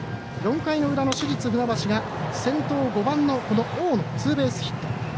４回裏の市立船橋が先頭５番の大野ツーベースヒット。